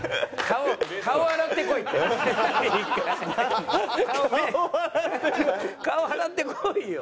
顔洗ってこいよ。